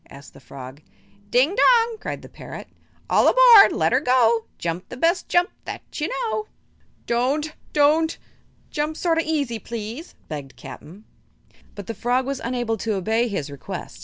asked the frog. "Ding dong!" cried the parrot; "All aboard! let 'er go! Jump the best jump that you know." "Don't don't! Jump sort o' easy, please," begged Cap'n Bill. But the frog was unable to obey his request.